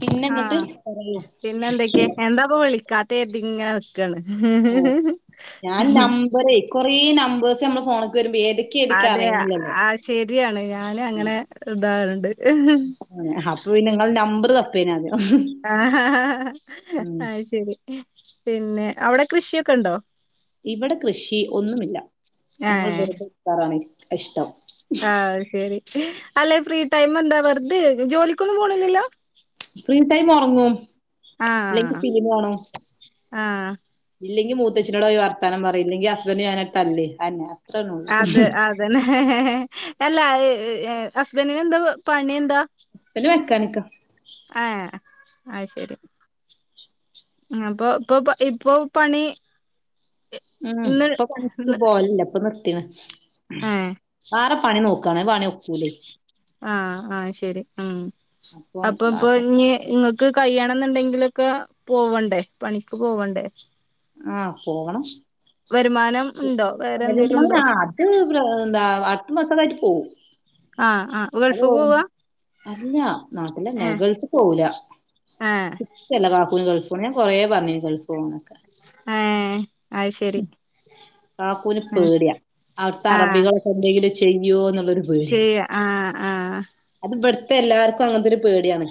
പിന്നെ എന്നിട്ട് ആഹ് പറയൂ പിന്നെന്തൊയ്ക്കെ എന്താ പോ വിളിക്കാ തേ തിങ്ങന നിക്കാണ്. ആഹ് ഞാൻ നമ്പറേ കൊറേ നമ്പേഴ്സ് ഞമ്മളെ ഫോണ്ക്ക് വെരുമ്പേ ഏതെ അതെ ആഹ് ശെരിയാണ് ഞാന് അങ്ങനെ താറുണ്ട് ഹ് ഹ് ആഹ്, അപ്പൊ പിന്നെ ങ്ങളെ നമ്പർ ത പ്പേനാദ്യം. ഹ് ആഹാഹാഹാ അയ്ശെരി. പിന്നെ അവടെ കൃഷിയൊക്കെണ്ടോ? ഇവടെ കൃഷി ഒന്നുമില്ല. ഞങ്ങൾ ഏഹ് വെറുതെ [unintelligible] ക്കാറാണ് ഇഷ്ടം. ആയ്ശെരി. അല്ലെ ഫ്രീ ടൈം എന്താ വെറ്‌തെ ജോലിക്കൊന്നും പോണില്ലല്ലോ? ഫ്രീ ടൈം ഒറങ്ങും. അല്ലെങ്കി ആഹ് സിനിമ കാണും. ആഹ് ഇല്ലെങ്കി മൂത്തച്ചിനോടോയി വർത്താനം പറിം. ഇല്ലെങ്കി ഹസ്ബൻഡ് ഞാനായിട്ട് തല്ല് അന്നെ അത്രള്ളൂ. തെന്നെ, എല്ലാ ഏ ഹസ്ബൻ്റ്നെന്താ പ പണി എന്താ? ബൻ്റ് മെക്കാനിക്കാ. ആഹ്, അയ് ശെരി. അപ്പൊ പ്പൊ പൊ ഇപ്പൊ പണീ ഉം ഇപ്പ പണിക്ക് ഇന്ന് പോലില്ല ഇപ്പ നിർത്തിണ്. ഏഹ് വേറെ പണി നോക്കാണ് അപണി ഒക്കൂലേ? ആഹ് ആഹ് ശരി ഉം അപ്പം അപ്പ ഇപ്പൊ ഇഞ്ഞ് ഇങ്ങ് ക്ക് കയ്യണന്ന്ണ്ടെങ്കിലൊക്കെ പോവണ്ടേ പണിക്ക് പോവണ്ടേ? ആഹ് പോവണം. വരുമാനം ഇണ്ടോ വേറെ എന്തേലും ഉണ്ടോ? അ് പ്രകണന്താ അട്ത്ത മാസക്കായിട്ട് പോവും. ആഹ് ആഹ് അത് ഗൾഫ് പോവാ? അല്ല നാട്ടിലന്നെ ഏഹ് ഗൾഫി പോവൂല. ഏഹ് ഇജ്ജല്ലേ കക്കൂനെ ഗൾഫണ് ഞാൻ കുറേ പറഞ്ഞീനി ഗൾഫ് പോവാനൊക്കെ ഏഹ് അയ് ശരി. കാക്കൂന് ആഹ് പേടിയ അവ്ട്ത്തെ ആഹ് അറബികളൊക്കെ എന്തേങ്കിലും ചെയ്യോന്നുള്ളൊരു പേടി. ചെയ്യ ആഹ് ആഹ് അത് ഇബട്ത്തെ എല്ലാർക്കും അങ്ങത്തെരു പേടിയാണ്.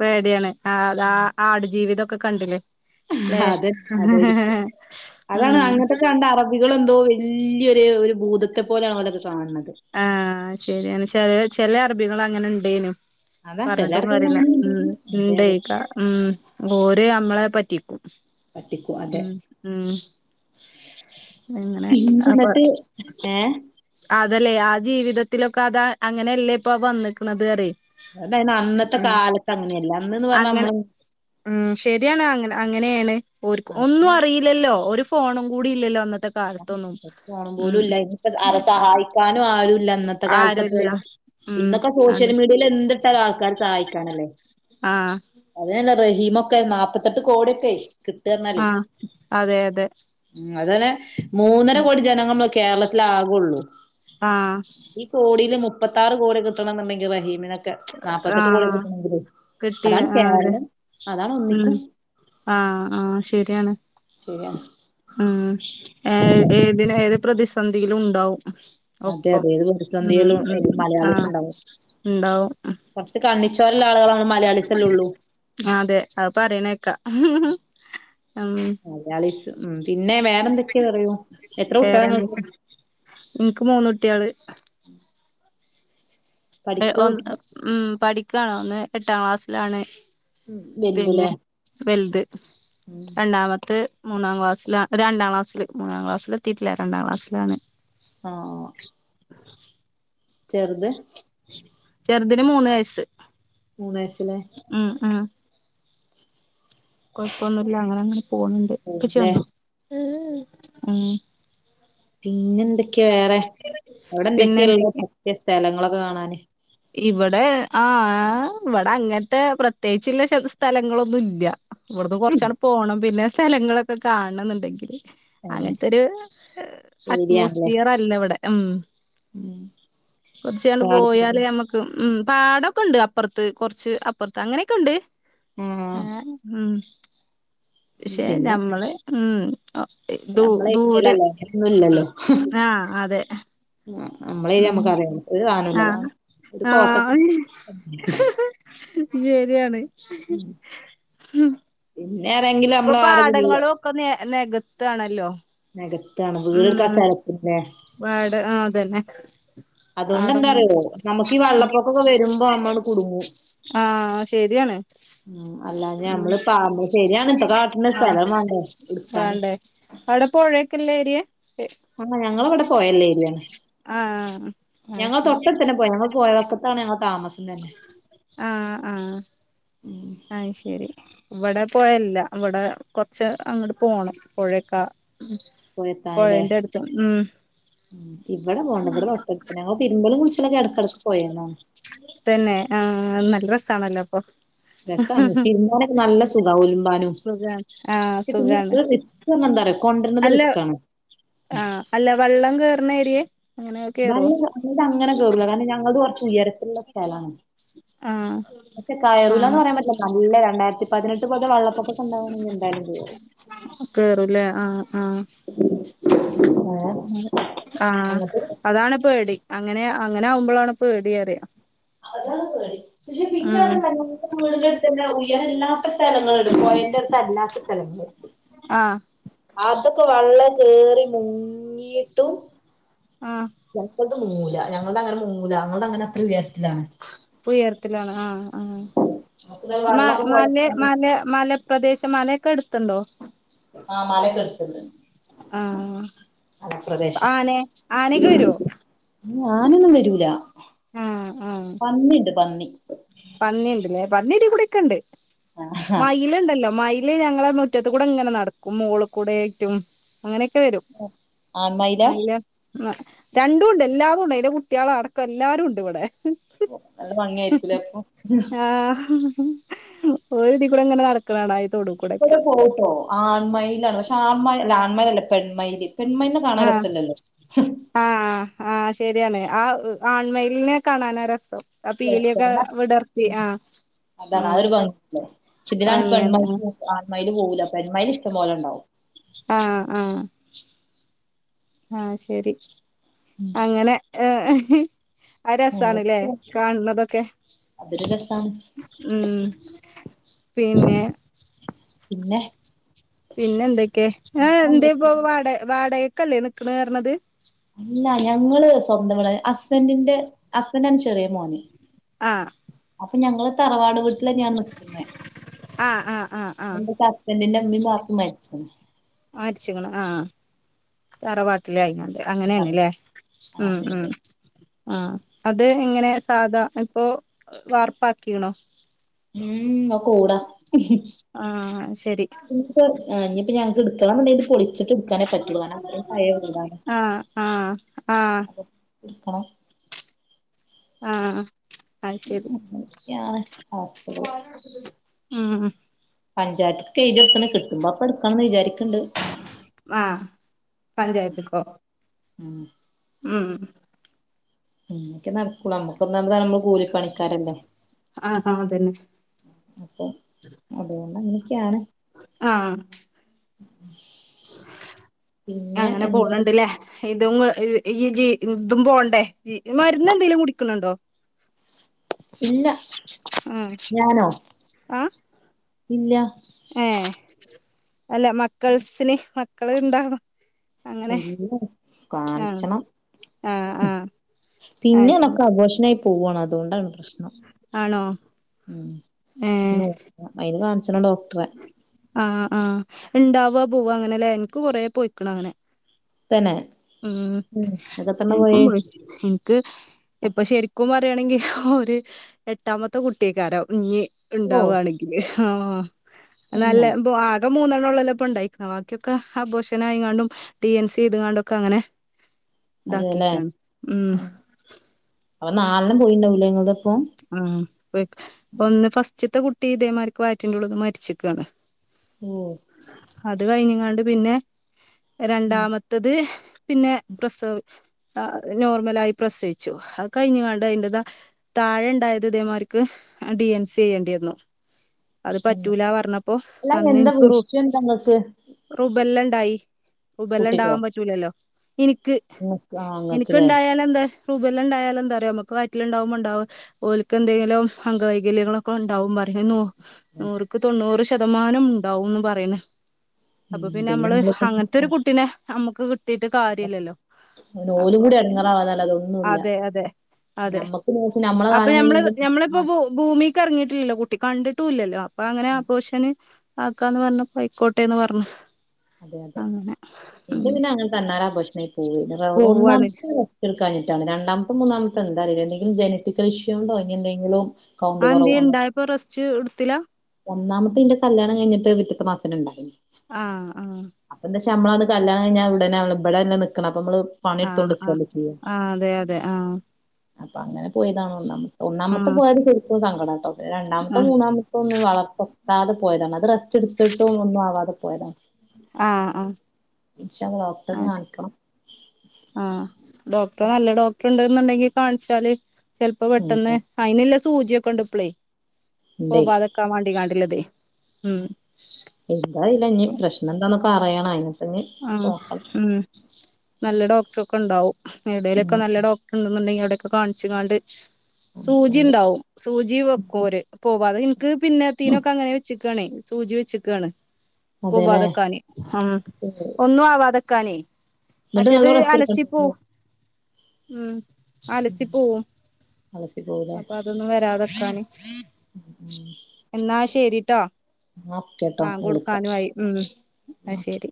പേടിയാണ് ആതാ ആടു ജീവിതൊക്കെ കണ്ടിലെ? അതെ അതായിരിക്കും അതാണ് ഉം അങ്ങത്തക്കെ കണ്ട അറ ബികളെന്തോ വല്ല്യൊരു ഒര് ഭൂതത്തെ പോലാ ഓലൊക്കെ കാണ് ണത് ആഹ് ശരിണ് ചെല ചെല അറബികളങ്ങനെ ഇണ്ടേനു അതാ ചില പറഞ്ഞ്ട്ടും അറബികൾ കാര്യല്ല അങ്ങനെയുണ്ട് ഉം അതെ ഇണ്ടേ അതെ ക ഉം- ഓര് അമ്മളെ പറ്റിക്കും പറ്റിക്കും അതെ ഉം ഉം. എങ്ങനെ പിന്നെ അപ്പ എന്നിട്ട് ഏഹ് അതലെ ആ ജീവിതത്തിലൊക്കെ അതാ അങ്ങനെയല്ലേ ഇപ്പ വന്നക്ക്‌ണത്റിയെ അതയിന് അന്നത്തെ കാലത്ത് അങ്ങനെല്ല അന്ന് പറ്ഞ്ഞാ അങ്ങനെ അമ്മള് ഉം ശരിയാണ് അങ്ങന അങ്ങനേണ് ഓര്ക്ക്‌ ഒന്നും അറീ ലല്ലോ ഒരു ഫോണും കൂടി ഇല്ലല്ലോ അന്നത്തെ കാലത്തൊന്നും ഒര് ഫോണും ഉം പോലുല്ല ഇഞ്ഞ്പ്പോ അരെ സഹായിക്കാനും ആരുല്ല അന്നത്തെ കാലത്തെ ആരുല്ല പോലെ ഉം ഇന്നൊക്കെ സോഷ്യൽ അതെ മീഡിയേല് എന്ത്ട്ടാലും ആൾക്കാര് സഹായിക്കാനല്ലേ ആഹ് അതനെ റഹീമൊക്കെ നാപത്തെട്ട് കോടിയൊക്കെ കിട്ടാറ്ഞ്ഞാലെ ആഹ് അതെ അതെ ഉം അതനെ മൂന്നര ഉം കോടി ജനങ്ങൾ മ്മളെ കേരളത്തില് ആകൊള്ളു. ആഹ് ഈ കോടില് മുപ്പത്താറ് കോടി കിട്ടണണ്ടെങ്കിൽ റഹീമിന് ക്കെ നാല്പത്തെട്ട് കോടി ആഹ് കിട്ടണങ്കിലെ കിട്ടിയ അതാണ് ആഹ് അതെ കേരളം അതാണ് ഉം ഒന്നിക്കും. ആഹ് ആഹ് ശരിയാണ്. ശരിയാണ് ഉം ഏഹ് ഏതിന് ഏത് പ്രതിസന്ധിയിലും ഉണ്ടാവും. അതെ ഒപ്പം അതെ ഏത് ഉം പ്രതിസന്ധിയിലും ഉം ആഹ് ഇണ്ടാവും. കൊറച്ച് കണ്ണിച്ചോരള്ളെ ആളുകള് മ്മള് മലയാളിസല്ലെള്ളൂ അഅ് പറിണേക്കാ മലയാളിസ് ഉം പിന്നെ വേറെന്തക്കെ പറയു. എത്ര കുട്ടിയളാ ഇങ്ങക്ക്‌? ഇന്ക് മൂന്ന് കുട്ടിയാള്. [inaudible] എ പഠിക്കാ ഒന്ന് കുട്ടികള് ഉം പഠിക്കാണ് ഒന്ന് എട്ടാക്ലാസ്സിലാണ്. വലുതല്ലേ? പിന്നെ വെൽത് ഉം വലുതില്ലേ രണ്ടാമത്ത്. മൂന്നാം ക്ലാസില രണ്ടാം ക്ലാസ്സില് മൂന്നാം ക്ലാസ്സിലെത്തിട്ടില്ല രണ്ടാം ക്ലാസ്സിലാണ്. ആഹ് ചെറ്ത് ചെർതിന് മൂന്ന് വയസ്സ്. മൂന്ന് വയസ്സ്ലേ? ഉം ഉം.. കൊഴപ്പൊന്നുംല്ല അങ്ങനെ അങ്ങനെ പോന്നുണ്ട് ല്ലേ ഉപ്പച്ചിവന്നോ ഉം.. പിന്നെ എന്തൊക്കെയാ വേറെ അവിടെ പിന്നെ എന്തൊക്കെയാ ഉള്ളെ എന്തൊക്കെയ പറ്റിയ സ്ഥലങ്ങളൊക്കെ കാണാന് ഇവിടെ ആഹ് ഇവിടെ അങ്ങനത്തെ പ്രത്യേകിച്ചുള്ള ച സ്ഥലങ്ങളൊന്നും ഇല്ല ഇവിടുന്ന് കൊറച്ചാട് പോണം പിന്നെ സ്ഥലങ്ങളൊക്കെ കാണേണം എന്നുണ്ടെങ്കില് ഏഹ് അങ്ങനത്തൊരു ഏരിയാണല്ലേ അറ്റ്മോസ്ഫിയർ അല്ല ഇവിടെ ഉമ് ഉം കൊറച്ചിയാള് കാട് പ്രദേശം പോയാലേമ്മക്ക് ക്ക് ഉം പാടൊക്കെ ഉണ്ട് അപ്പുറത്ത് കൊറച്ച് അപ്പുറത്ത് അങ്ങനെയൊക്കെ ഉണ്ട്. ആഹ് ഉം പക്ഷെ പിന്നെ ഞമ്മള് ഉം ഒ ഏഹ് ദൂ നമ്മളെ ദൂരെ ഏരിയയിലല്ലേ ഒന്നും ഉം ആഹ് അതെ ആഹ് ഞമ്മളെ ഉം ഞമ്മക്ക് അറിയ ഒര് സാധനവും ഇല്ലാതാണ് ആഹ് ആഹ് ശരിയാണ് പിന്നെ എതെങ്കിലും ഇപ്പൊ പാടങ്ങളും ഒക്കെ നെ നെകത്താണല്ലോ നെകത്താണ് വീടക്കരക്കന്നെ ബാട് ആഹ് അതന്നെ അതുകൊണ്ട് എന്താറിയോ നമുക്ക് ഈ വെള്ളപ്പൊക്കൊക്കെ വരുമ്പോ നമ്മള് [unintelligible] കുടുങ്ങും ആഹ് ശരിയാണ്. അല്ലാ ഞമ്മള് പ ശരിയാണ് ഇപ്പ കാട്ടിന്റെ ആഹ് സ്ഥലം വേണ്ട എടുക്കാന് വേണ്ടേ അവിടെ പോഴയക്ക ഉള്ള എരിയെ ആഹ് ഞങ്ങളിവിടെ പോയല്ല ഏരിയാണ് ആഹ് ഞങ്ങ അയ്ശരി തൊട്ടടുത്ത് തന്നെ പോയ പോയ വക്കത്താണ് ഞങ്ങള് താമസ ആഹ് ആഹ് അയ്ശരി ഇവിടെ പോയ ഇല്ല ഇവിടെ കൊറച്ച് അങ്ങോട്ട് പോണം പുഴക്കാ പുഴേന്റെ അടുത്തും ഉം ഉം ഇവിടെ പോവണ്ട ഇവിടെ തൊട്ടടുത്ത് ഞങ്ങള് തിരുമ്പലും കുളിച്ചിലൊക്കെ ഇടക്കിടക്ക് പോയന്നോ തന്നെ ആഹ് നല്ല രസാണല്ലോ അപ്പൊ രസമാണ് തിരുമ്പനോക്കെ നല്ല സുഖാവലു ബാനു സുഖാണ് ആഹ് പിന്നെ സുഖാണ് റിസ് എന്താനറിയോ കൊണ്ടുവരുന്നത് അല്ല റിസ്ക്ക ആണ് ആഹ് അല്ല വെള്ളം കേയറുന്ന ഏരിയെ അങ്ങനെ കേറുവോ വെള്ള പിന്നെ അങ്ങനെ കേറുല്ല കാരണം ഞങ്ങള് കൊറച്ച് ഉയരത്തിലുള്ള സ്ഥലാണ്. ആഹ് പക്ഷേ കയറൂല എന്ന് ആഹ് പറയാൻ പറ്റില്ല നല്ല രണ്ടായിരത്തി പതിനെട്ട് പോലത്തെ വെള്ളപ്പൊ ക്കെണ്ടാവണെങ്കിൽ എന്താലും കേറും കേറുംല്ലേ ആഹ് ആഹ് [unintelligible] ആഹ് അങ്ങനത്തെ അതാണ് പേടി അങ്ങനെ അങ്ങനെ ആവുമ്പോളാണ് പേടിയറിയാ അതാണ് പേടി പക്ഷെ പിന്നെ ഉം അര് ഇപ്പ വീട് ന്റെ അടുത്ത് തന്നെ ഉയരല്ലാത്ത സ്ഥലങ്ങള ഉണ്ട് പോയണ്ടെ അടുത്ത് അല്ലാത്ത സ്ഥലങ്ങള് ആഹ് അതൊക്കെ വെള്ളം കേറി മുങ്ങിട്ടും ആഹ് പൊറത്തോട്ട് മൂങ്ങുല്ല ഞങ്ങടെ അങ്ങനെ മുങ്ങുല ഞങ്ങടെ അങ്ങനെ അത്ര ഉയരത്തിലാ ഇപ്പ ഉയരത്തിലാണ് ആഹ് ആഹ് നമുക്ക് മ വെള്ളമൊക്കെ മല പോയണ്ട് മല മല പ്രദേശം മലൊക്കെ അടുത്തുണ്ടോ ആഹ് മലക്കടു ആഹ് മലപ്രദേശ ആന ആനക്ക് വരുവോ ആനൊന്നും വരൂല പന്നിണ്ട് പന്നി പന്നിണ്ട്ല്ലേ പന്നിടികൂടെക്കെ ഉണ്ട് ആഹ് മയിലുണ്ടല്ലോ മയിൽ ല് ഞങ്ങടെ മുറ്റത്ത് കൂടെ ഇങ്ങനെ നടക്കും മോളിൽ കൂടെ ആയിട്ടും അങ്ങനെയൊക്കെ വരും. ആൺമയിലാ രണ്ടുംണ്ട് എല്ലാരു ഉണ്ട് അന്റെ കുട്ടികള് അടക്കം എല്ലാരും ഉണ്ട് ഇവിടെ ഓ നല്ല ഭംഗിയായിരിക്കുലേ അപ്പൊ ആഹ് ഒരുതി കൂടെ ഇങ്ങനെ നടക്കണാണ ഈ തൊടൂ കൂടെക്കെ ഇതിലെ പൊഉട്ടോ ആൺമലാണ് പക്ഷെ ആൺമ ല ആൺമയ്ലല്ല പെൺമയ്ൽ പെണ് മയിലിനെ കാണാന് ആഹ് രസല്ലല്ലോ ആഹ് ആഹ് ശരിയാണ് ആ ആൺമയ്ലിനെ കാണാനാ രസം അപ്പീലിയൊക്കെ വിടർത്തി ആഹ് അതാണ് ആഹ് അതൊരു ഭംഗിണ്ടാഉ ക്ഷ ഇതിനാണ് വാങ്ങിയാണ് പെൺമൈല് ആഹ് ആൺമയ്ൽ പോകൂല പെൺമയ്ല് ഇഷ്ടംപോലെണ്ടാവും ആഹ് ആഹ് ആഹ് ശരി അങ്ങനെ ഏഹ് എഹ് രസാണ്ല്ലേ അങ്ങനത്തെ കാൺന്നതൊക്കെ അതൊരു രസാണ് ഉം പിന്നെ പിന്നെ പിന്നെന്തൊക്കെ ഏഹ് എന്ത ഇപ്പൊ എന്തൊക്കെയാ? വാടക വാടകക്കല്ലേ നിക്ണർഞ്ഞത് ല്ല ഞങ്ങള് സ്വന്തവീട ഹസ്ബൻഡിന്റെ ഹസ്ബൻഡാണ് ചെറിയ മോന് ആഹ് അപ്പൊ ഞങ്ങള് തറവാട് വീട്ടിലെന്നെ ഞാൻ നിക്കുന്ന ആഹ് ആഹ് ആഹ് ആഹ് എന്റെ ബന്റിന്റെ മ്മി ബാപ്പി മര്ച്ണ് ആയിരിച്ക്കണോ ആഹ് തറവാാട്ടിലയിങ്ങണ്ട് അങ്ങനേണ് അതെ ല്ലേ ഉം ഉം അതെ ആഹ് അത് എങ്ങനെ സാധാ ഇപ്പോ വാർപ്പാക്കിണോ ഉം ഒക്ക ഓ ടാ ഇ ആഹ് ശരി ഞ്ഞിപ്പ ഞങക്ക് എടുക്കണം വേണ്ടിട്ട് പൊളി ച്ചിട്ട് ട്ക്കാനേ പറ്റുള്ളൂകാരണം പയേവീടാ ആഹ് ആഹ് ആഹ് ആഹ് ആഹ് അഹ് ശരി അങ്ങനെയൊക്കെയാണ് അവസ്ഥകള് ഉം ഉം പഞ്ചായത്ത്ക് കെയ്ത്യോട്ത്ണ് കിട്ടുമ്പോ അപ്പൊ എടുക്കണംന്ന് വിചാരിക്ണ്ട് ആഹ് പഞ്ചായത്ക്കൊ ഉം ഉം ഇൻക് നടക്കൂള നമ്മുക്കൊന്ന [unintelligible] കൂലിപ്പണിക്കാരല്ലേ ആഹ് ആഹ് അതന്നെ അപ്പൊ അതുകൊണ്ട അങ്ങനെയൊക്കെയാണ് ആഹ് പിന്നെ അങ്ങനെ എന്താ പോണ് ണ്ട്ല്ലേ ഇതും ഈ ജി ഇതും പോണ്ടേ മരുന്ന് എന്തെലും കുടിക്ണ് ണ്ടോ? ഇല്ല ആഹ് ഞാനോ ഇല്ല ഏഹ് അല്ല മക്കൾസിന് മക്കള് ണ്ടാവാ ഇല്ല ആഹ് കാൺച്ചണം ആഹ് ആഹ് ആഹ് പിന്നെ ശരി ണൊക്കെ ആഭോഷനായി പോവാണ് അതോണ്ടാണ് പ്രശ്നം ആണോ ഉം ഏ നോക്ക അയിന് കാണിച്ണ ഡോക്ടറെ ആഹ് ആഹ് ഉണ്ടാവ പോവ അങ്ങനെല്ലേ ഇൻക്ക് കൊറെ പോയിക്ണങ്ങനെ തന്നെ അൻകെത്രണ്ണ പോയേ ഇൻക് ഇപ്പൊ ശരിക്കും പറയാണെങ്കി ഒരു എട്ടാമത്തെ കുട്ടിയ്ക്കാരം ഇഞ്ഞ് ഓ ണ്ടാവാണെങ്കില് ആഹ് നല്ല തന്നെ [unintelligible] ക്കെ മൂന്നെണ്ണള്ളൊല്ലോ ഇപ്പം ണ്ടായിക്ണ് ബാക്കിയൊക്ക അബോഷൻ ആയിങാണ്ടും ഡി എൻ സി എയ്ത്കാണ്ടൊ ക്ക അങ്ങനെ അതെല്ലേ ഇതാക്കിക്കാണ് ഉം അപ്പൊ നാലണ്ണം പോയിണ്ടാഉലെ ങ്ങള്തപ്പം ആഹ് ഒന്ന് ഫസ്റ്റത്തെ കുട്ടി ഇതേമാർക്ക് വയറ്റിന്റുള്ള്ന്ന് മരിച്ക്കാണ് ഓഹ് അത് കഴിഞ്ങ്ങാണ്ട് പിന്നെ ഉം രണ്ടാമത് ത്തത് പിന്നെ പ്രസവ് ആ നോർമലാ ആയി പ്രസവിച്ചു അ കഴിഞ്ക്കാണ്ട് അതിന്ററെതാ. താഴെ ഉണ്ടായത് ഇതേമാർക്ക് ഡി എൻ സി ചെയ്യേണ്ടി വന്നു അത് തന്നെ പറ്റൂല പറഞ്ഞപ്പോ അല്ല അന്ന് എന്താ എനിക്ക് റൂ വിഷയം എന്താ ഇങ്ങക്ക് റുബെല്ല ഇണ്ടായി റുബല്ല കുട്ടിക്കോ ഉണ്ടാവാൻ പറ്റൂലല്ലോ ഇനിക്ക്. ഇങ്ങക്ക് ആ എനിക്ക് ഇങ്ങക്ക്ല്ലേ ഉണ്ടായാല എന്താ രൂപല്ല ഉണ്ടായാല എന്താറി യോ നമുക്ക് വയ്യറ്റിലിൽ ഉണ്ടാവുബോ ഉണ്ടാവും ഓലക്ക് എന്തെങ്കിലും അംഗവൈകല്യങ്ങളൊക്കെ ഉണ്ടാവും പറിം അയ് നൂ- ക്ക് തൊണ്ണൂറ് ശതമാനം ഉണ്ടാവന്ന് പറയണ് അപ്പൊ ഉം പിന്നെ നമ്മള് നമ്മളിപ്പോ അങ്ങനത്തെ ഒരു കുട്ടീനെ നമ്മുക്ക് കിട്ടീട്ട് കാര്യ ഇല്ലല്ലോ. പിന്നെ ഓലും അപ്പൊ കൂടി പിന്നെ എടങ്ങേറാവാന്നല്ലാതെ ഒന്നുല്ല അതെ അതെ അതെ ഞമ്മക്ക് നോക്കി നമ്മളെ അപ്പൊ കാലം ഞമ്മള് കഴിഞ്ഞ് ഞമ്മളിപ്പോ ആ പോ ഭൂമിക്ക് ഇറങ്ങിയിട്ടില്ലല്ലോ കുട്ടി കണ്ടിട്ടുംല്ലല്ലോ അപ്പൊ അങ്ങനെ ആ പോഷന്. ആക്കന്ന് പറഞ്ഞ പയിക്കോട്ടെന്ന് പറഞ് അതെ അതെ എന്റെ പിന്നെ അങ്ങനെ തണ്ണാലെ ആ ഭോർഷണായി പോവ ഒന്നാം പോവാണ് ല്ല. തീർക്കാനിട്ടാണ്ണ് രണ്ടാമത്തും മൂന്നാമത്തെ എന്തറ എന്തങ്കിലും ജനറ്റിക്കൽ ഇഷ്യൂ ഉണ്ടോ ഇനി എന്തെങ്കിലും. കൗണ്ട് ആ എന്തേ കുറവോ ഇണ്ടായപ്പോ റസ്റ്റ് എടുത്തില്ല. ഒന്നാമത്തെ ഇന്റെ കല്യാണം കഴിഞ്ഞിട്ട് പിറ്റത്തെ മാസം ഉണ്ടായിനി ആഹ് ആങ്ങനെ അപ്പ എന്താെ നമ്മള് കല്യാണം കിഞ്ഞാൽ ഉടന്നെ ഇവിടെ തന്നെ നിക്കണം അപ്പ നമ്മള്. പണിയെടുത്തോണ്ട് ആഹ് ആ നിക്കല്ലേ ചെയ്യാ ആഹ് അതെ അതെ ആഹ് അപ്പൊ അങ്ങനെ പോയതാണ് ഒന്നാമത്തെ ഒന്നാമത്തെ ആഹ് പോയത് സെരിക്കോ സങ്കടംട്ടോ രണ്ടാമത്തെ ആഹ് മൂന്നാമത്തെ. ഇ ഒന്നും വളർത്തക്കാതെ പോയതാണ് അത് റസ്റ്റ് എടുത്തിട്ടും ഒന്നും ആവാതെ പോയതാണ്. ആഹ് ആഹ് ഇൻഷാ അള്ളാ ഡോക്ടറെ ആഹ് ശ കാണിക്കണം. ആഹ് ഡോക്ടർ നല്ല ഡോക്ടർ ഉണ്ട്ന്നുണ്ടെങ്കി കാണിച്ചാല് ചിലപ്പോ പെട്ടെന്ന്. ഉം അയിനില്ല സൂചിയൊക്കെ ഉണ്ട് ഇപ്പളേയ് ഇണ്ടേ പോവാതൊക്കാൻ വാണ്ടിയുള്ളത്. എന്താ അറിയില്ല ഇഞ്ഞ് പ്രശ്നം എന്താന്നൊക്കെ അറയണം അയ്ന് ആഹ് ഉം നല്ല ഡോക്ടർ ഒക്കെ ഉണ്ടാവും എവിടലൊക്കെ ഉം നല്ല ഡോക് ഉണ്ടെന്നുണ്ടെങ്കി അവിടെൊക്കെ കാണിച്ച്ങ്ങാണ്ട് സൂചി ആവശ്യണ്ട് ഉണ്ടാവും സൂചി വെക്കും ഓര് പോവാ അത് ഇനിക്ക് പിന്നെ തീനൊക്കെ അങ്ങനെ വെച്ചിട്ട്. ണ് സൂചി വെച്ചക്കയാണ് പോവതെക്കാന് ആ ഒന്നും ആവാതെ നിക്കാനേയ് മറ്റേത് നല്ലോം റെസ്റ്റ് അലസി എടുക്കണ്ടല്ലേ പോവും ഉം അലസിപോവും അലസി പോവൂലേ അപ്പൊ അത ഒനും വരാതെനിക്കാന് എന്നാ ശരിട്ടെ ആഹ് ബാങ്ക് കൊടുക്കാനും ആയി ഉം ആയ് ഓക്കെ ശരി.